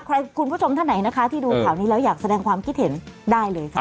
คุณผู้ชมท่านไหนนะคะที่ดูข่าวนี้แล้วอยากแสดงความคิดเห็นได้เลยค่ะ